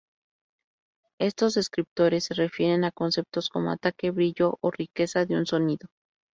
Estos descriptores se refieren a conceptos como ataque, brillo o riqueza de un sonido.